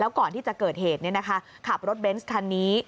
ก่อนที่จะเกิดเหตุขับรถเบนส์คันนี้